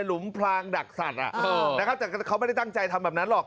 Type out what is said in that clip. มพลางดักสัตว์นะครับแต่เขาไม่ได้ตั้งใจทำแบบนั้นหรอก